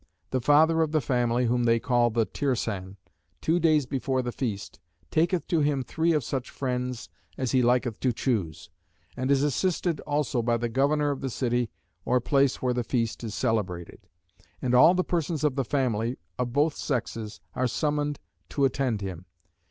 The Father of the Family, whom they call the Tirsan, two days before the feast, taketh to him three of such friends as he liketh to choose; and is assisted also by the governor of the city or place where the feast is celebrated; and all the persons of the family, of both sexes, are summoned to attend him.